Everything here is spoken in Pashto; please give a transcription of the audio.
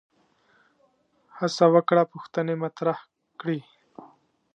هڅه وکړه پوښتنې مطرح کړي